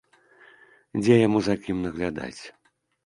Дзе яму за кім наглядаць.